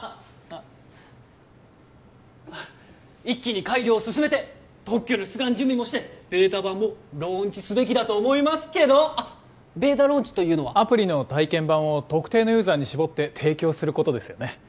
あっ一気に改良を進めて特許の出願準備もしてベータ版をローンチすべきだと思いますけどあっベータローンチというのはアプリの体験版を特定のユーザーに絞って提供することですよね？